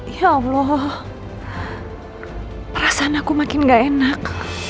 ya allah perasaan aku makin gak enak